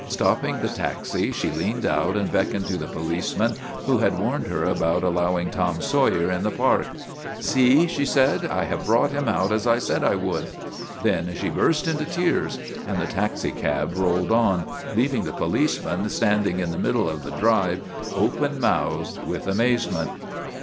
Stopping the taxi she leaned out and beckoned to the policeman who had warned her about allowing Tom Sawyer in the Park. " See," she said, " I have brought him out as I said I would." Then she burst into tears and the taxicab rolled on, leaving the policeman standing in 284 TOM SAWYER OF THE MOVIES the middle of the drive open mouthed with amaze ment.